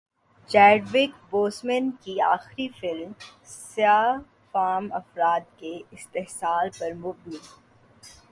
Chadwick Boseman کی اخری film سیاہ فام افراد کے استحصال پر مبنی